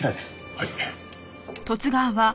はい。